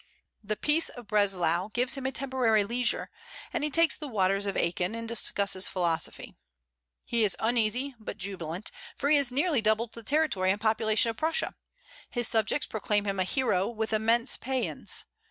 The peace of Breslau gives him a temporary leisure, and he takes the waters of Aachen, and discusses philosophy. He is uneasy, but jubilant, for he has nearly doubled the territory and population of Prussia. His subjects proclaim him a hero, with immense paeans.